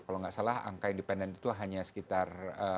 kalau nggak salah angka independen itu hanya sekitar